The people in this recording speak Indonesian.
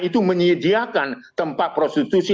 itu menyediakan tempat prostitusi